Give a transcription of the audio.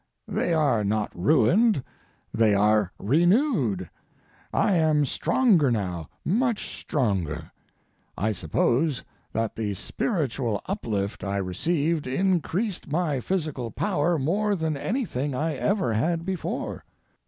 They are not ruined, they are renewed. I am stronger now—much stronger. I suppose that the spiritual uplift I received increased my physical power more than anything I ever had before.